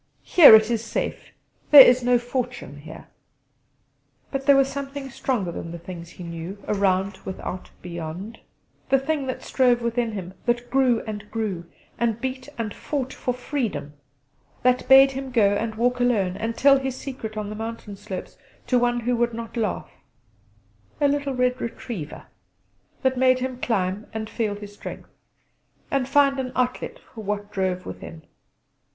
Here it is safe: there is no fortune there!" But there was something stronger than the things he knew, around, without, beyond the thing that strove within him: that grew and grew, and beat and fought for freedom: that bade him go and walk alone and tell his secret on the mountain slopes to one who would not laugh a little red retriever; that made him climb and feel his strength, and find an outlet for what drove within.